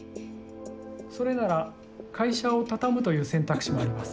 それなら会社を畳むという選択肢もあります。